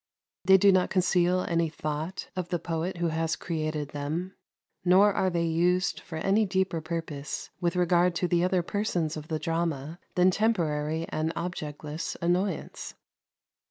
They do not conceal any thought of the poet who has created them, nor are they used for any deeper purpose with regard to the other persons of the drama than temporary and objectless annoyance.